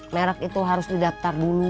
merak itu harus didaptar dulu